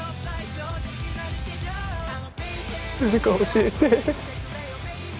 誰か教えて。